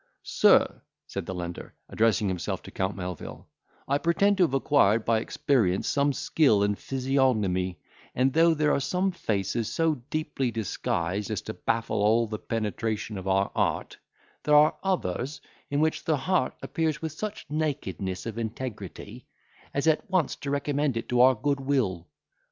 "Sir," said the lender, addressing himself to Count Melvil, "I pretend to have acquired by experience some skill in physiognomy; and though there are some faces so deeply disguised as to baffle all the penetration of our art, there are others, in which the heart appears with such nakedness of integrity, as at once to recommend it to our goodwill.